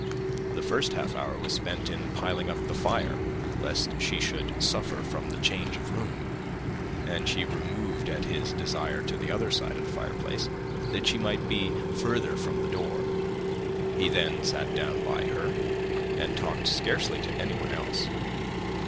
The first half hour was spent in piling up the fire, lest she should suffer from the change of room; and she removed, at his desire, to the other side of the fireplace, that she might be farther from the door. He then sat down by her, and talked scarcely to anyone else.